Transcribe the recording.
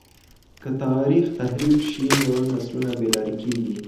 که تاريخ تحريف سي نو نسلونه بې لاري کېږي.